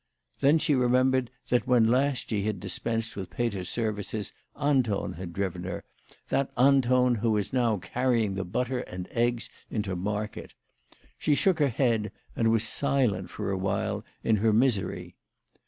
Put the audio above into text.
Then she remembered that when last she had dispensed with Peter's services Anton had driven her, that Anton who was now car rying the butter and eggs into market. She shook her head, and was silent for a while in her misery.